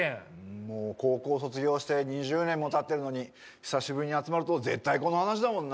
もう高校卒業して２０年もたってるのに、久しぶりに集まると絶対にこの話だもんな。